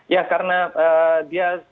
ya karena dia